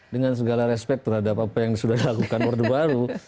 dengan segala respect terhadap apa yang sudah dilakukan orde baru